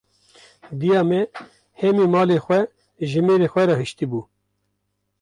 Diya me hemî malê xwe ji mêrê xwe re hişti bû.